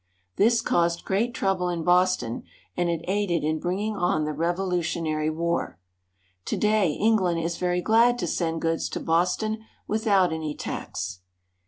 This caused great trouble in Boston, and it aided in bringing on the Revolutionary War. To day England is very glad to send goods to Boston without any tax.